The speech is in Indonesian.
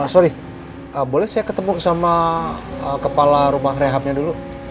sorry boleh saya ketemu sama kepala rumah rehabnya dulu